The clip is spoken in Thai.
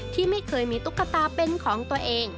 ที่ไม่เคยมีตุ๊กตาเป็นของตัวเอง